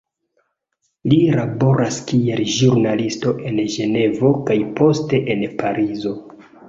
Li laboras kiel ĵurnalisto en Ĝenevo kaj poste en Parizo.